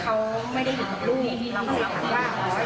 กากเข้ามาในร้านแล้วก็มาบอกว่า